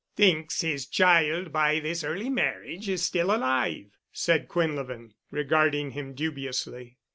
"Thinks his child by this early marriage is still alive——" said Quinlevin, regarding him dubiously.